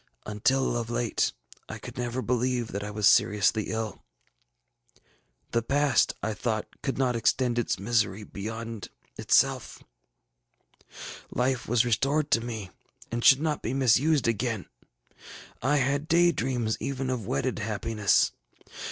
ŌĆ£Until of late, I never could believe that I was seriously ill: the past, I thought, could not extend its misery beyond itself; life was restored to me, and should not be missed again. I had day dreams even of wedded happiness.